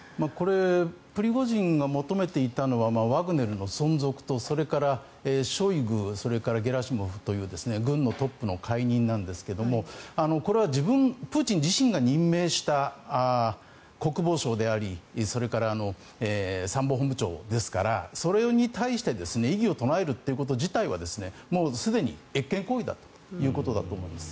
プリゴジンが求めていたのはワグネルの存続とそれからショイグそれからゲラシモフという軍のトップの解任なんですがこれは自分、プーチン自身が任命した国防相でありそれから参謀本部長ですからそれに対して異議を唱えるということ自体はもう、すでに越権行為だということだと思います。